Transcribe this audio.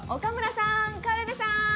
岡村さーん！